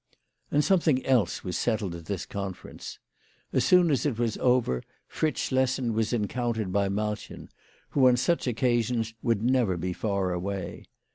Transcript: And something else was settled at this conference. As soon as it was over Fritz Schlessen was encountered by Malchen, who on such occasions would never be far away.